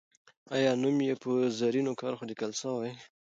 آیا نوم یې په زرینو کرښو لیکل سوی؟